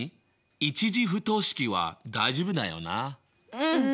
うん。